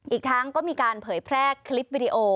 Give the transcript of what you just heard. อีกทั้งก็มีการเผยแพร่คลิปวิดีโอ